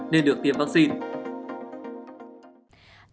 nên được tiêm vaccine